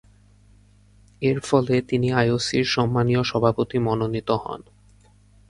এরফলে তিনি আইওসি’র সম্মানীয় সভাপতি মনোনীত হন।